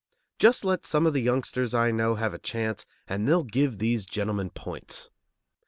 Just let some of the youngsters I know have a chance and they'll give these gentlemen points.